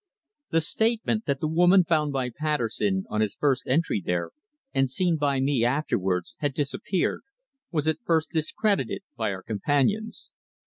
The statement that the woman found by Patterson on his first entry there, and seen by me afterwards, had disappeared, was at first discredited by our companions.